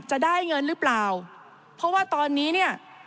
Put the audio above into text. จะได้เงินหรือเปล่าเพราะว่าตอนนี้เนี่ย